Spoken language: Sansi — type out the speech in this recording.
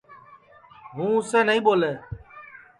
ہُوں بانوس نائیں ٻولے